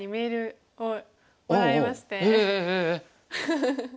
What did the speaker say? フフフフ。